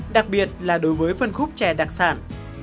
đặc biệt là đối với phân khúc chè đặc sản